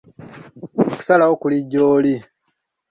Okusalawo kuli gy’oli.